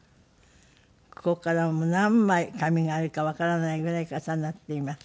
ここからも何枚紙があるかわからないぐらい重なっています。